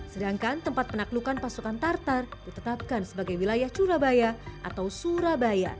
sedangkan tempat penaklukan pasukan tartar ditetapkan sebagai wilayah curabaya atau surabaya